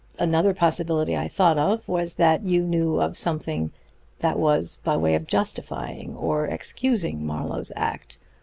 Another possibility I thought of was that you knew of something that was by way of justifying or excusing Marlowe's act.